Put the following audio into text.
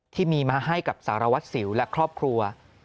ที่มีมาให้กับสารวัตรสิวและครอบครัว